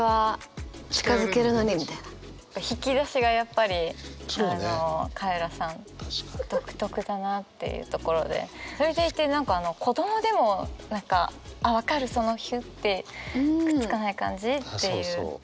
引き出しがやっぱりカエラさん独特だなっていうところでそれでいて何か子どもでも分かるそのひゅってくっつかない感じっていう。